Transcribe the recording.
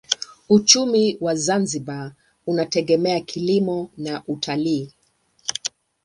Uchumi wa Zanzibar unategemea kilimo na utalii.